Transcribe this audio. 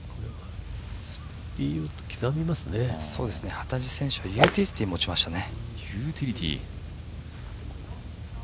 幡地選手はユーティリティー持ちましたね。